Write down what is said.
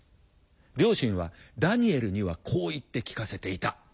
両親はダニエルにはこう言って聞かせていた。